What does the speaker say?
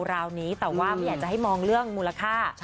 ราวนี้แต่ว่าไม่อยากจะให้มองเรื่องมูลค่า